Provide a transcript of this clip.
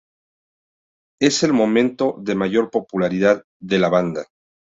Es el momento de mayor popularidad de la banda.